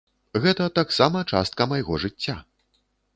Гэта таксама частка майго жыцця.